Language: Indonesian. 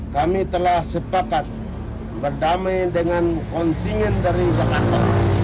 kami telah sepakat berdamai dengan kontingen dari jakarta